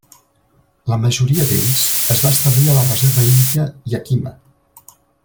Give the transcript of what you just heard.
La majoria d'ells es van establir a la reserva índia Yakima.